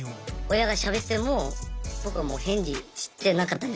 親がしゃべっても僕はもう返事してなかったんですよ。